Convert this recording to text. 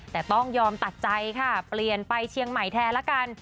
แต่ต้องยอมตัดใจค่ะเปลี่ยนไปเชียงใหม่แทนละกัน